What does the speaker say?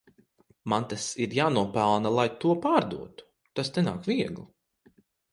Man tas ir jānopelna lai to pārdotu, tas nenāk viegli.